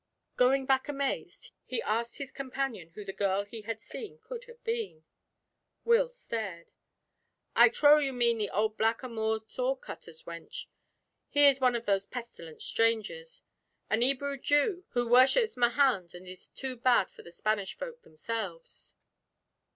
Going back amazed, he asked his companion who the girl he had seen could have been. Will stared. "I trow you mean the old blackamoor sword cutler's wench. He is one of those pestilent strangers. An 'Ebrew Jew who worships Mahound and is too bad for the Spanish folk themselves."